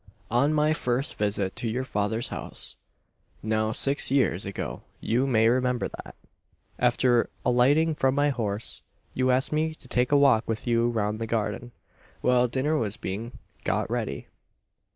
On my first visit to your father's house now six years ago you may remember that, after alighting from my horse, you asked me to take a walk with you round the garden while dinner was being got ready.